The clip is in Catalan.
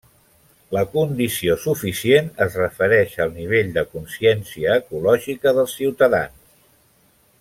La condició suficient es refereix al nivell de consciència ecològica dels ciutadans.